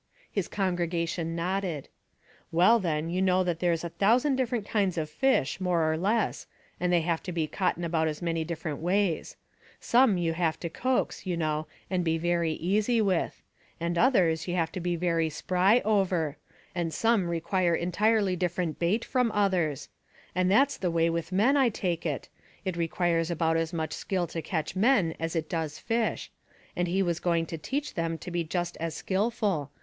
" His congregation nodded. " Well, then, you know that there's a Ihcusand different kinds of fish, more or less, and they have to be caught in about as many different ways : some you have to coax, you know, and be very easy with; and others 3^ou have to be very spry over; and some require entirely different bait from others ; and that's the way with men, 1 take it; it requires about as much skill to catch men as it does fish ; and He was going to teach them to be just as skillful.